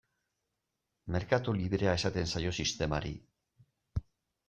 Merkatu librea esaten zaio sistemari.